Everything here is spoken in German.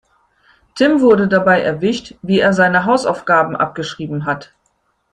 Tim wurde dabei erwischt, wie er seine Hausaufgaben abgeschrieben hat.